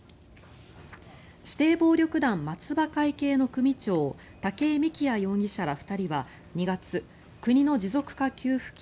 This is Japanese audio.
指定暴力団松葉会系の組長武井美喜也容疑者ら２人は２月国の持続化給付金